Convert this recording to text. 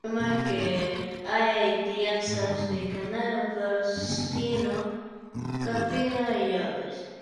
Además, hay crianza de ganado porcino, caprino y aves.